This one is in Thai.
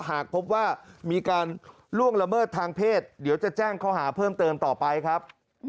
หากพบว่ามีการล่วงละเมิดทางเพศเดี๋ยวจะแจ้งข้อหาเพิ่มเติมต่อไปครับ